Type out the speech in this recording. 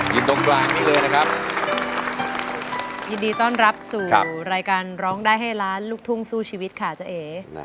อยู่ตรงกลางนี้เลยนะครับยินดีต้อนรับสู่รายการร้องได้ให้ล้านลูกทุ่งสู้ชีวิตค่ะเจ๊เอ๋